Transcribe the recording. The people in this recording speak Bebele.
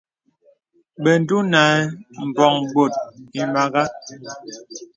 Bə ǹdùnàɛ̂ m̀bɔ̄ŋ bòt ìmàgā.